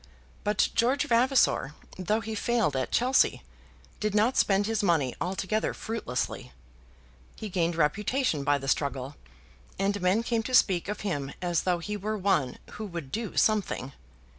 But George Vavasor, though he failed at Chelsea, did not spend his money altogether fruitlessly. He gained reputation by the struggle, and men came to speak of him as though he were one who would do something.